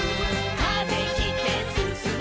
「風切ってすすもう」